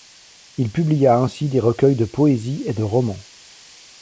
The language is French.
Il publia ainsi des recueils de poésies et des romans.